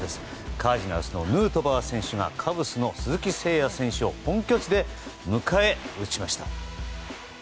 カージナルスのヌートバー選手がカブスの鈴木誠也選手を本拠地で迎え撃ちました。